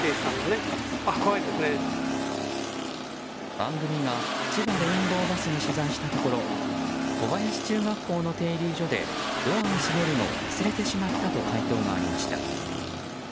番組がちばレインボーバスに取材したところ小林中学校の停留所でドアを閉めるのを忘れてしまったと回答がありました。